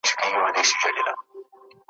لمر کرار کرار نیژدې سو د غره خواته ,